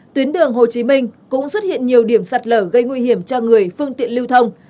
tuyến đường hồ chí minh cũng xuất hiện nhiều điểm sạt lở gây nguy hiểm cho người phương tiện lưu thông